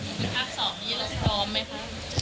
ภาค๒มีละสตรอมไหมครับ